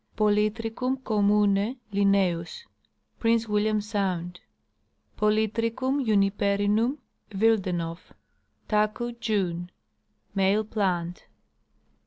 Polytrichum commune, L. Prince William sound. Polytrichum jimiperinum, WiWd. Taku, June. Male plant.